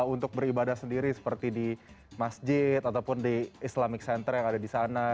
untuk beribadah sendiri seperti di masjid ataupun di islamic center yang ada di sana